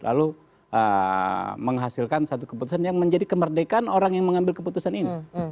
lalu menghasilkan satu keputusan yang menjadi kemerdekaan orang yang mengambil keputusan ini